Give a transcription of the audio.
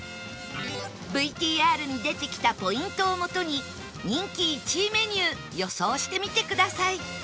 ＶＴＲ に出てきたポイントをもとに人気１位メニュー予想してみてください